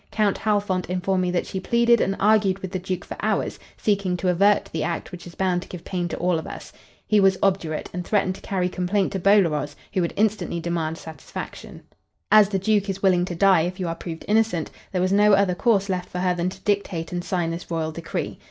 Count Halfont informed me that she pleaded and argued with the Duke for hours, seeking to avert the act which is bound to give pain to all of us. He was obdurate, and threatened to carry complaint to Bolaroz, who would instantly demand satisfaction. As the Duke is willing to die if you are proved innocent, there was no other course left for her than to dictate and sign this royal decree.